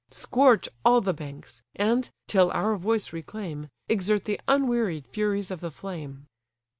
Scorch all the banks! and (till our voice reclaim) Exert the unwearied furies of the flame!"